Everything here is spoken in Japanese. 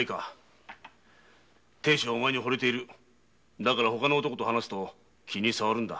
だからほかの男と話すと気にさわるんだ。